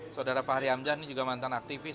saudara fahri hamzah ini juga mantan aktivis